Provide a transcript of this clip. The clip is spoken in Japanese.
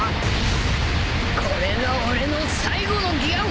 これが俺の最後のギア４だ！